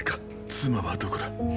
妻はどこだ？